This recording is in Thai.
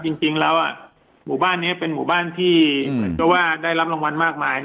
จริงจริงแล้วอ่ะหมู่บ้านเนี้ยเป็นหมู่บ้านที่ก็ว่าได้รับรางวัลมากมาย